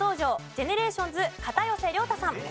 ＧＥＮＥＲＡＴＩＯＮＳ片寄涼太さん。